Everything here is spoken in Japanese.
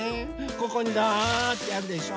ここにザーってやるでしょ。